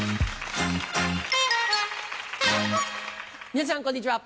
皆さんこんにちは。